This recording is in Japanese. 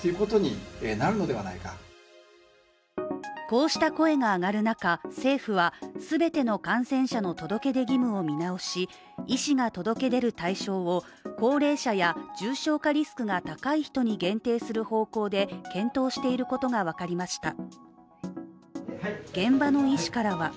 こうした声が上がる中、政府は全ての感染者の届け出義務を見直し、医師が届け出る対象を高齢者や重症化リスクが高い人に限定する方向で検討していることが分かりました。